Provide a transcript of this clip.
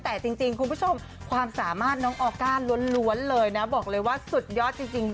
แต่จริงคุณผู้ชมความสามารถน้องออก้าล้วนเลยนะบอกเลยว่าสุดยอดจริง